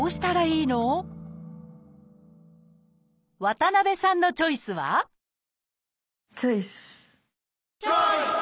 渡辺さんのチョイスはチョイス！